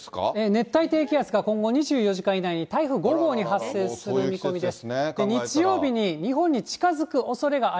熱帯低気圧が今後２４時間以内に、台風５号に発生する見込みです。